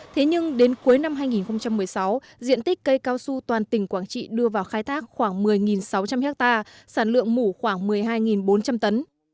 thế nhưng đến cuối năm hai nghìn một mươi sáu diện tích cây cao su toàn tỉnh quảng trị đưa vào khai thác khoảng một mươi sáu trăm linh ha sản lượng mủ khoảng một mươi hai bốn trăm linh tấn